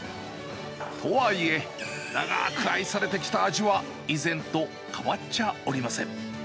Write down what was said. とはいえ、長く愛されてきた味は、以前と変わっちゃおりません。